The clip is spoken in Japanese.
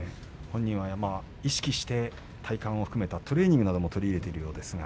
意識して本人は体幹も含めてトレーニングも取り入れているようです。